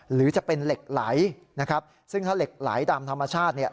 หรือจะเป็นเหล็กไหลนะครับซึ่งถ้าเหล็กไหลตามธรรมชาติเนี่ย